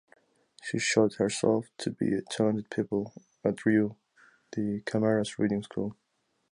She showed herself to be a talented pupil at Ruy de Camara’s riding school.